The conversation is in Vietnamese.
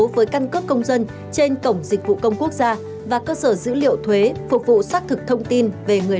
và dịch vụ xác thực thông tin